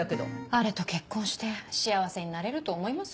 あれと結婚して幸せになれると思います？